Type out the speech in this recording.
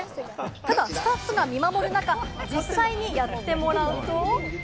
ただ、スタッフが見守る中、実際にやってもらうと。